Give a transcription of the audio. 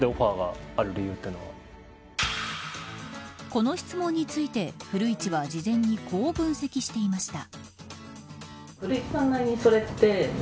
この質問について古市は事前にこう分析していました。